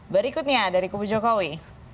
berikutnya dari kubu jokowi